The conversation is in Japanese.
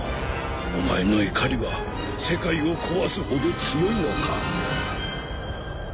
お前の怒りは世界を壊すほど強いのか？